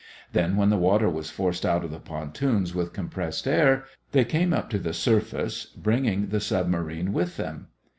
Then when the water was forced out of the pontoons with compressed air, they came up to the surface, bringing the submarine with them.